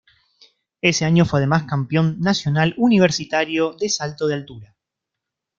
Ese año fue además campeón nacional universitario de salto de altura.